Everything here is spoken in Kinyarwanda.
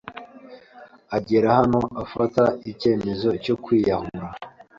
agera n’aho afata icyemezo cyo kwiyahura